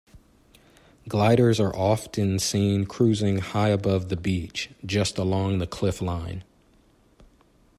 Gliders are often seen cruising high above the beach, just along the cliff line.